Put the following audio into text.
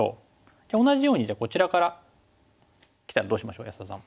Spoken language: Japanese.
じゃあ同じようにこちらからきたらどうしましょう安田さん。